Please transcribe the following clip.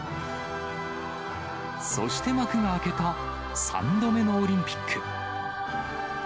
そして幕が開けた３度目のオリンピック。